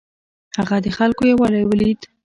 هغه د خلکو یووالی ولید.